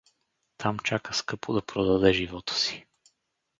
Там чака скъпо да продаде живота си.